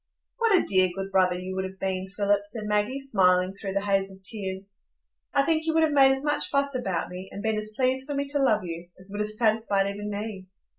"What a dear, good brother you would have been, Philip," said Maggie, smiling through the haze of tears. "I think you would have made as much fuss about me, and been as pleased for me to love you, as would have satisfied even me.